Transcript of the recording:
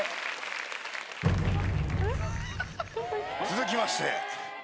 続きまして。